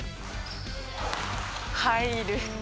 入る。